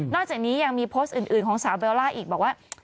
จากนี้ยังมีโพสต์อื่นของสาวเบลล่าอีกบอกว่า